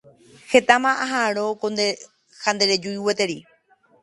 Hetáma aha'ãrõ ha nderejúi gueteri.